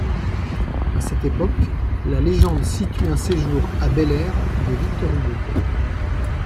À cette époque, la légende situe un séjour à Bel-Air de Victor Hugo.